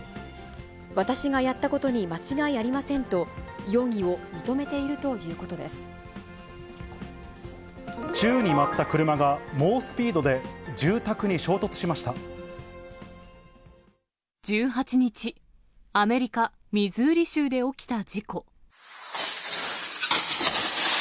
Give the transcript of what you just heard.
私がやったことに間違いありませんと容疑を認めているということ宙に舞った車が猛スピードで１８日、アメリカ・ミズーリ州で起きた事故。